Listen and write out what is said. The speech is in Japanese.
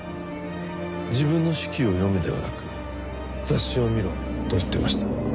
「自分の手記を読め」ではなく「雑誌を見ろ」と言っていました。